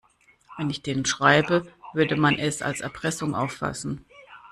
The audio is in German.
Wenn ich denen schreibe, würde man es als Erpressung auffassen.